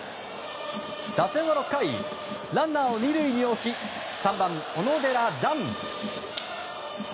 打線は６回ランナーを２塁に置き３番、小野寺暖。